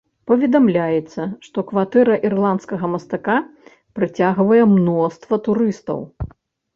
Паведамляецца, што кватэра ірландскага мастака прыцягвае мноства турыстаў.